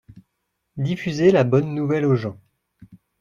Diffuser la bonne nouvelle aux gens.